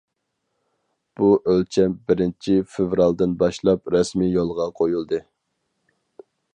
بۇ ئۆلچەم بىرىنچى فېۋرالدىن باشلاپ رەسمىي يولغا قويۇلدى.